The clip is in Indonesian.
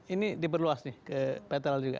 ini diperluas nih ke petrol juga